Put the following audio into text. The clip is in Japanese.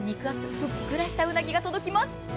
ふっくらしたうなぎが届きます。